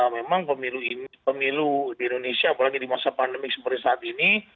memang pemilu di indonesia apalagi di masa pandemi seperti saat ini